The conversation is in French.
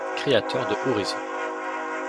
Créateur de Horizon.